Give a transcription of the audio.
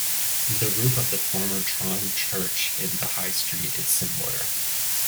The roof of the former Tron Church in the High Street is similar.